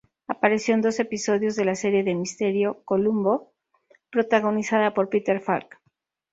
Apareció en dos episodios de la serie de misterio "Columbo", protagonizada por Peter Falk.